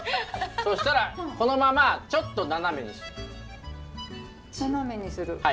そしたらこのままちょっと斜めにする。